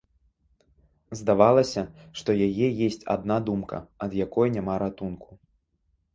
Здавалася, што яе есць адна думка, ад якой няма ратунку.